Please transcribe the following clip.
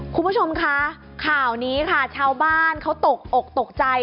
คุณผู้ชมคะข่าวนี้ค่ะชาวบ้านเขาตกอกตกใจ